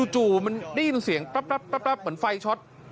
จู่มันได้ยินเสียงปั๊บเหมือนไฟช็อต